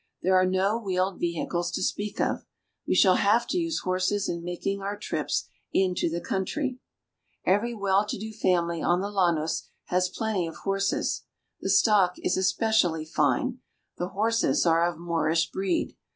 There are no wheeled vehicles to speak of. We shall have to use horses in making our trips into the country. Every well to do family on the llanos "Things are carried about upon donkeys." has plenty of horses. The stock is especially fine. The horses are of Moorish breed.